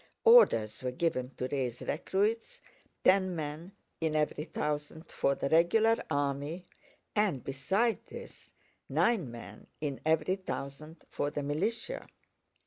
Orders were given to raise recruits, ten men in every thousand for the regular army, and besides this, nine men in every thousand for the militia.